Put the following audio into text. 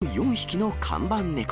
この４匹の看板猫。